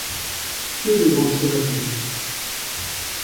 Que de grandes choses accomplies !